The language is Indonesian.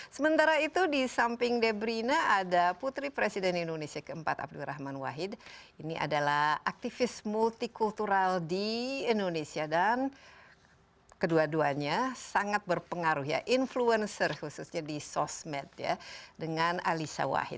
sementara itu di samping debrina ada putri presiden indonesia keempat abdurrahman wahid ini adalah aktivis multikultural di indonesia dan kedua duanya sangat berpengaruh ya influencer khususnya di sosmed ya dengan alisa wahid